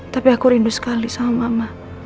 tapi aku rindu sekali sama mama